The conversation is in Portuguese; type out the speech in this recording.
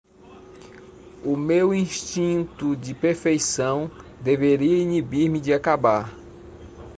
O meu instinto de perfeição deveria inibir-me de acabar